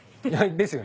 ですよね。